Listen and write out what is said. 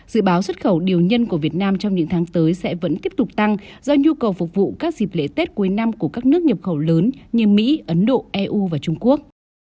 dự báo xuất khẩu điều nhân của việt nam trong những tháng tới sẽ vẫn tiếp tục tăng do nhu cầu phục vụ các dịp lễ tết cuối năm của các nước nhập khẩu lớn như mỹ ấn độ eu và trung quốc